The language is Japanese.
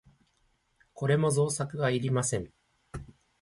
これも造作はいりません。